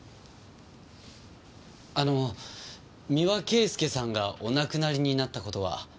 あの三輪圭祐さんがお亡くなりになった事は。